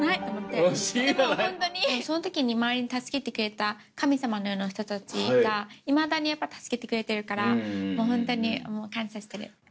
でもその時に周りに助けてくれた神様のような人たちがいまだに助けてくれてるからもうホントに感謝してる。